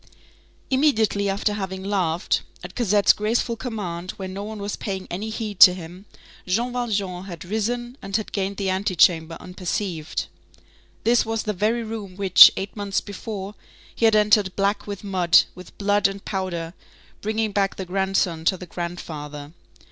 Immediately after having laughed, at Cosette's graceful command, when no one was paying any heed to him, Jean Valjean had risen and had gained the antechamber unperceived. This was the very room which, eight months before, he had entered black with mud, with blood and powder, bringing back the grandson to the grandfather.